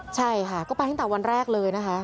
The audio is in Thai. ใช่ค่ะก็ไปตั้งแต่วันแรกเลยนะคะ